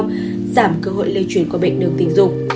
giảm cơ hội lây truyền qua bệnh đường tình dục